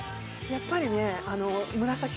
やっぱりね。